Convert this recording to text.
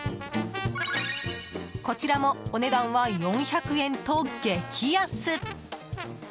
こちらもお値段は４００円と激安。